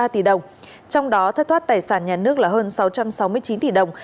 một một trăm linh ba tỷ đồng trong đó thất thoát tài sản nhà nước là hơn sáu trăm sáu mươi chín tỷ đồng